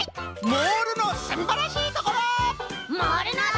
「モールのすんばらしいところ！」。